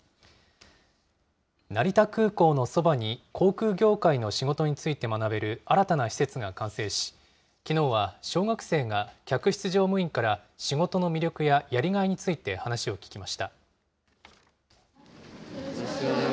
成田空港のそばに航空業界の仕事について学べる新たな施設が完成し、きのうは小学生が客室乗務員から仕事の魅力ややりがいについて話を聞きました。